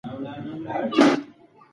هغه غواړي چې خپلې کیسې بل ته ووایي.